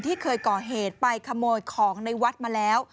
ที่เคยก่อเหตุไปขโมยของในวัดมาแล้ว